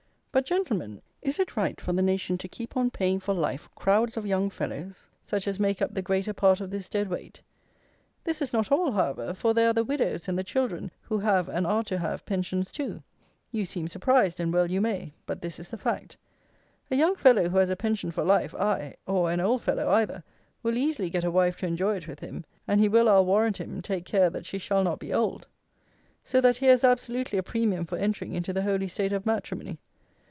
But, Gentlemen, is it right for the nation to keep on paying for life crowds of young fellows such as make up the greater part of this dead weight? This is not all, however, for, there are the widows and the children, who have, and are to have, pensions too. You seem surprised, and well you may; but this is the fact. A young fellow who has a pension for life, aye, or an old fellow either, will easily get a wife to enjoy it with him, and he will, I'll warrant him, take care that she shall not be old. So that here is absolutely a premium for entering into the holy state of matrimony.